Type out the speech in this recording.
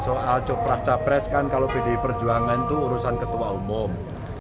soal cok prasapres kan kalau bdi perjuangan itu urusan ketua umum